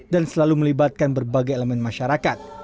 dan selalu melibatkan berbagai elemen masyarakat